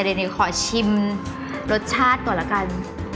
เดี๋ยวขอชิมรสชาติก่อนละกัน